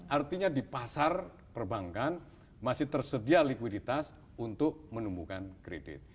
artinya di pasar perbankan masih tersedia likuiditas untuk menumbuhkan kredit